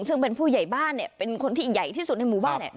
ซึ่งเป็นผู้ใหญ่บ้านเนี่ยเป็นคนที่ใหญ่ที่สุดในหมู่บ้าน